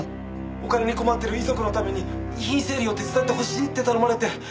お金に困ってる遺族のために遺品整理を手伝ってほしいって頼まれて。